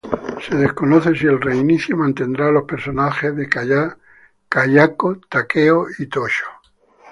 Se desconoce si el reinicio mantendrá los personajes de Kayako, Takeo y Toshio.